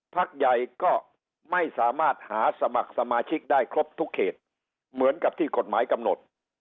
พักใหญ่ก็ไม่สามารถหาสมัครสมาชิกได้ครบทุกเขตเหมือนกับที่กฎหมายกำหนด